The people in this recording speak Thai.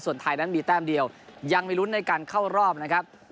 ส่วนไทยนั้นมีแต้มเดียวยังมีลุ้นในการเข้ารอบนะครับ